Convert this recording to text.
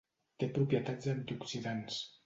Té propietats antioxidants.